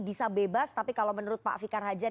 bisa bebas tapi kalau menurut pak fikar hajar